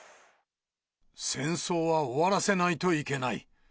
戦争は終わらせないといけない。